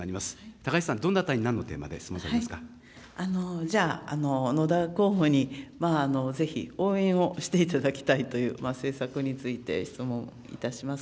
高市さん、どなたに、なんのテーじゃあ、野田候補に、ぜひ応援をしていただきたいという政策について、質問いたします。